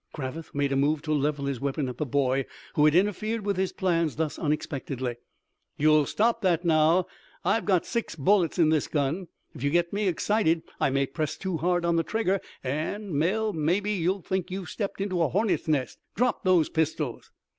Cravath made a move to level his weapon at the boy who had interfered with his plans thus unexpectedly. "You stop that, now! I've got six bullets in this gun. If you get me excited I may press too hard on the trigger, and well, maybe you'll think you've stepped into a hornets' nest. Drop those pistols!"